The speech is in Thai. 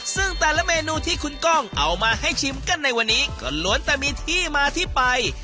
ซึ่งแต่ละเมนูที่คุณก้องเอามาให้ชิมกันในวันนี้ก็ล้วนแต่มีที่มาที่ไป